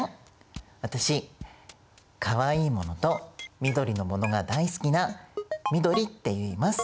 私かわいいものと緑のものが大好きなみどりっていいます。